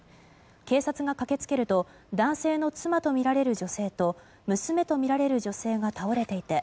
警察が駆け付けると男性の妻とみられる女性と娘とみられる女性が倒れていて